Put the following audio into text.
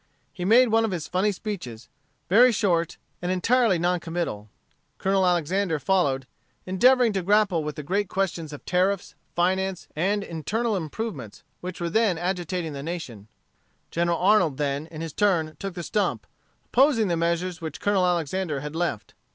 He made one of his funny speeches, very short and entirely non committal. Colonel Alexander followed, endeavoring to grapple with the great questions of tariffs, finance, and internal improvements, which were then agitating the nation. General Arnold then, in his turn, took the stump, opposing the measures which Colonel Alexander had left.